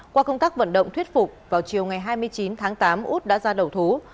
qua công tác vận động thuyết phục vào chiều ngày hai mươi chín tháng tám út đã ra đầu thú